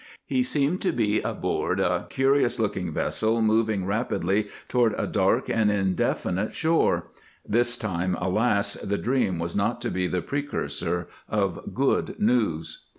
He seemed to be aboard a. curious looking vessel moving rapidly toward a dark and indefi nite shore. This time, alas ! the dream was not to be the precursor of good news.